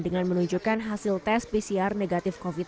dengan menunjukkan hasil tes pcr negatif covid sembilan belas